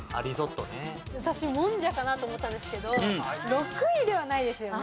私もんじゃかなと思ったんですけど６位ではないですよね。